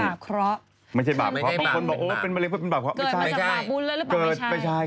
เกิดมาจากบาปบูนเลยหรือเปล่าไม่ใช่